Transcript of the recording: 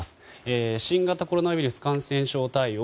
新型コロナウイルス感染症対応